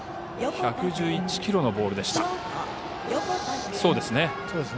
１１１キロのボールでした。